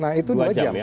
nah itu dua jam